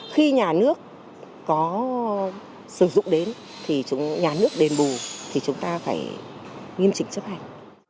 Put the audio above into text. khi nhà nước có sử dụng đến thì nhà nước đền bù thì chúng ta phải nghiêm chỉnh chấp hành